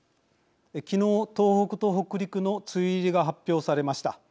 昨日東北と北陸の梅雨入りが発表されました。